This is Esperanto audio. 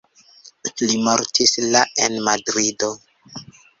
Li mortis la en Madrido.